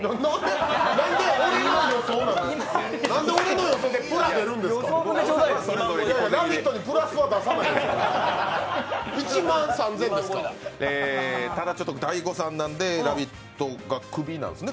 何で俺の予想でプラ出るんですか？